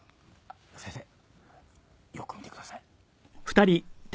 先生よく見てください。